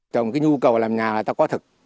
trong cái nhu cầu làm nhà là ta có thực